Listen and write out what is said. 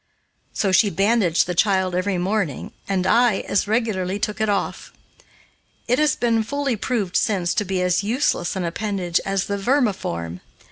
So she bandaged the child every morning, and I as regularly took it off. It has been fully proved since to be as useless an appendage as the vermiform.